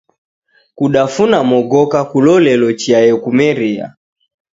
Kudafuna mogoka kulolelo chia yekumeria.